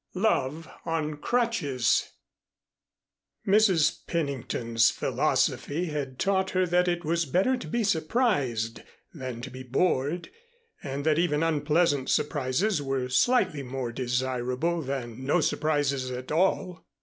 XIX LOVE ON CRUTCHES Mrs. Pennington's philosophy had taught her that it was better to be surprised than to be bored, and that even unpleasant surprises were slightly more desirable than no surprises at all.